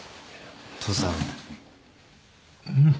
父さん。